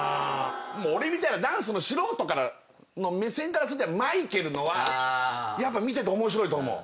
もう俺みたいなダンスの素人の目線からするとマイケルのはやっぱ見てて面白いと思う。